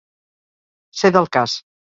Ser del cas.